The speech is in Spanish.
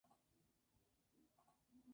La sede del condado es Cape May Court House.